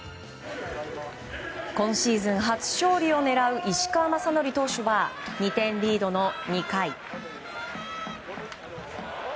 今シーズン初勝利を狙う石川雅規投手は２点リードの２回。